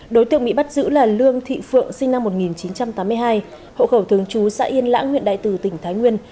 đối tượng bị bắt giữ là lương thị phượng sinh năm một nghìn chín trăm tám mươi hai hộ khẩu thường trú xã yên lãng huyện đại từ tỉnh thái nguyên